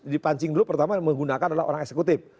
dipancing dulu pertama menggunakan adalah orang eksekutif